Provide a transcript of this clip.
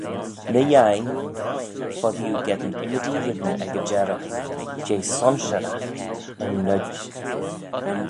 Ny yeih, foddee oo geddyn ymmodee reddyn ec y jerrey, jeh sonsheraght yn noid.